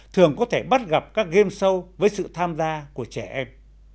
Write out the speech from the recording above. thường có thể bắt gặp các game show với sự tham gia của trẻ em